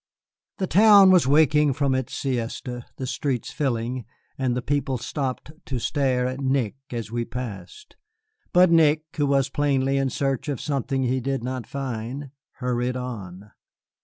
The town was waking from its siesta, the streets filling, and people stopped to stare at Nick as we passed. But Nick, who was plainly in search of something he did not find, hurried on.